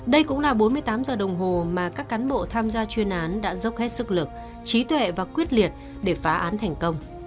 đây cũng là bốn mươi tám giờ đồng hồ mà các cán bộ tham gia chuyên án đã dốc hết sức lực trí tuệ và quyết liệt để phá án thành công